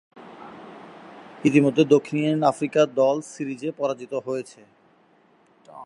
ইতিমধ্যেই দক্ষিণ আফ্রিকা দল সিরিজে পরাজিত হয়েছে।